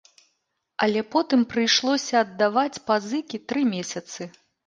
Але потым прыйшлося аддаваць пазыкі тры месяцы.